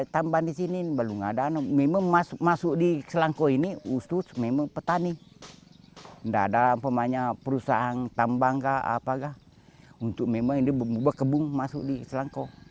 tidak ada perusahaan tambang untuk membuat kebung masuk di selangkau